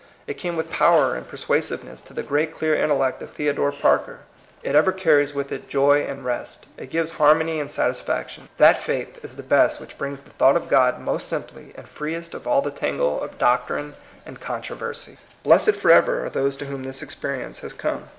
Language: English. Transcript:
It came with power and persuasiveness to the great clear intellect of Theodore Parker. It ever car ries with it joy and rest. It gives har mony and satisfaction. That faith is the best which brings the thought of God most simply, and freest of all the tangle of doc trine and controversy. Blessed forever are those to whom this experience has come.